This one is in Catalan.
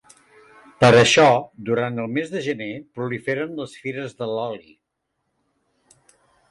Per això, durant el mes de gener proliferen les fires de l’oli.